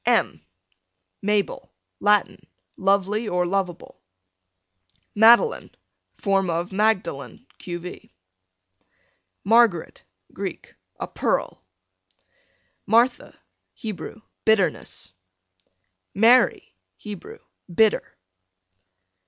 M Mabel, Latin, lovely or lovable. Madeline, form of Magdalen, q. v. Margaret, Greek, a pearl. Martha, Hebrew, bitterness, Mary, Hebrew, bitter.